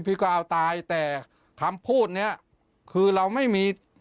พี่ก็เอาตายแต่คำพูดเนี้ยคือเราไม่มี